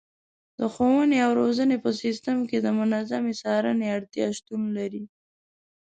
د ښوونې او روزنې په سیستم کې د منظمې څارنې اړتیا شتون لري.